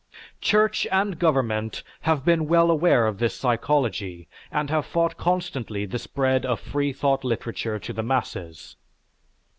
Church and government have been well aware of this psychology, and have fought constantly the spread of Freethought literature to the masses.